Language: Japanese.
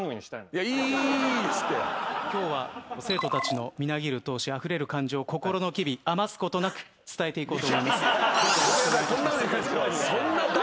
今日は生徒たちのみなぎる闘志あふれる感情心の機微余すことなく伝えていこうと思います。